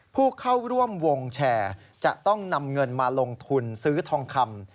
ผู้เข้าร่วมวงแชร์จะต้องนำเงินมาลงทุนซื้อทองคำ